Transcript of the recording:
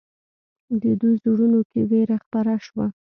د دوی زړونو کې وېره خپره شوه.